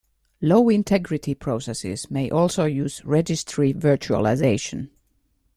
Low integrity processes may also use Registry virtualization.